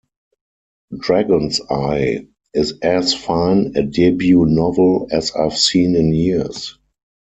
Dragon's Eye is as fine a debut novel as I've seen in years.